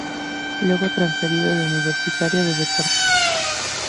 Luego transferido a Universitario de Deportes.